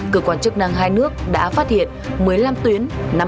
cơ quan chức năng hai nước đã phát hiện một mươi năm tuyến